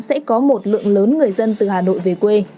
sẽ có một lượng lớn người dân từ hà nội về quê